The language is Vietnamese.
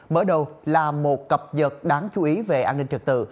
mở đầu là một cập nhật đáng chú ý về an ninh trật tự